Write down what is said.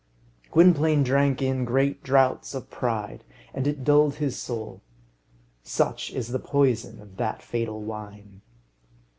Gwynplaine drank in great draughts of pride, and it dulled his soul. Such is the poison of that fatal wine.